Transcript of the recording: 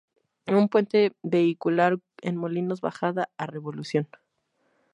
Un puente vehicular en Molinos bajada a Revolución.